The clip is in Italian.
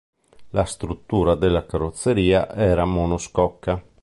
La struttura della carrozzeria era monoscocca.